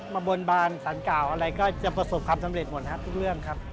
บนบานสารกล่าวอะไรก็จะประสบความสำเร็จหมดครับทุกเรื่องครับ